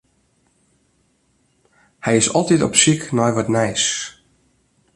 Hy is altyd op syk nei wat nijs.